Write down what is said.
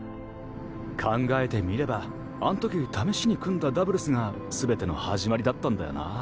考えてみればあんとき試しに組んだダブルスが全ての始まりだったんだよなぁ。